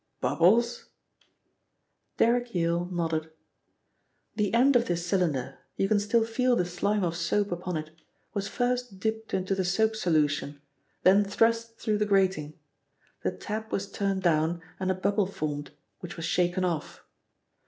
"Bubbles?" Derrick Yale nodded. "The end of this cylinder you can still feel the slime of the soap upon it was first dipped into the soap solution, then thrust through the grating. The tap was turned down and a bubble formed, which was shaken off.